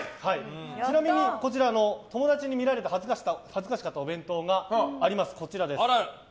ちなみに、友達に見られて恥ずかしかったお弁当があります。